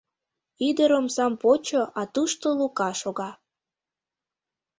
Ӱдыр омсам почо, а тушто Лука шога.